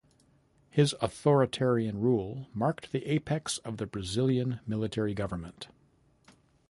His authoritarian rule marked the apex of the Brazilian military government.